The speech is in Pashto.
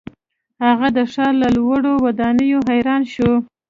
هغه د ښار له لوړو ودانیو حیران شو.